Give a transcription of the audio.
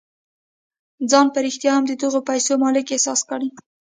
ځان په رښتيا هم د دغو پيسو مالک احساس کړئ.